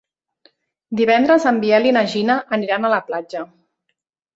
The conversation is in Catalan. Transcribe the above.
Divendres en Biel i na Gina aniran a la platja.